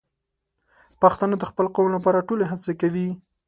پښتانه د خپل قوم لپاره ټولې هڅې کوي.